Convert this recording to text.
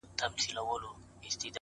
مثبت فکر ذهن روښانه ساتي,